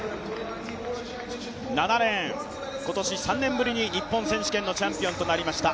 ７レーン、今年３年ぶりに日本選手権のチャンピオンとなりました